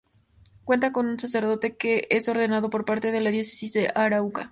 Cuenta con un sacerdote que es ordenado por parte de la Diócesis de Arauca.